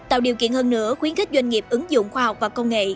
tạo điều kiện hơn nữa khuyến khích doanh nghiệp ứng dụng khoa học và công nghệ